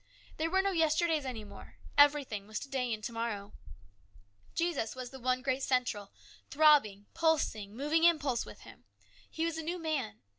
There were no yesterdays any more. AN EXCITING TIME. 127 Everything was to day and to morrow. Jesus was the one great central, throbbing, pulsing, moving impulse with him. He was a new man.